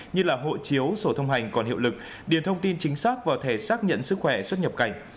như là hộ chiếu sổ thông hành còn hiệu lực điền thông tin chính xác vào thẻ xác nhận sức khỏe xuất nhập cảnh